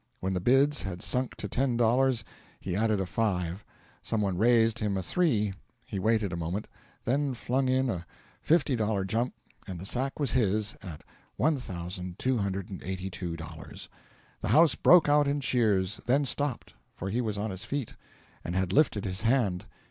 When the bids had sunk to ten dollars, he added a five; some one raised him a three; he waited a moment, then flung in a fifty dollar jump, and the sack was his at $1,282. The house broke out in cheers then stopped; for he was on his feet, and had lifted his hand.